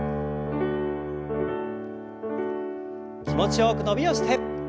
気持ちよく伸びをして。